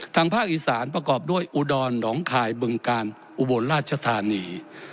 ทางภาคอีสานประกอบด้วยอุดรหนองคายบึงกาลอุบลราชธานี